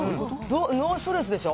ノーストレスでしょ。